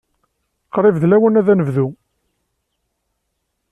Qrib d lawan ad nebdu.